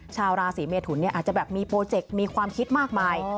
ชาวราศีเมทุนอาจจะแบบมีโปรเจกต์มีความคิดมากมาย